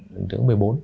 đứng thứ một mươi bốn